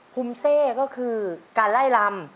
ฮุมเซ่ก็คือการไล่ลำ